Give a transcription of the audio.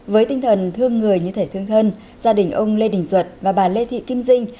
với tinh thần thương người như thể thương thân gia đình ông lê đình duật và bà lê thị kim dinh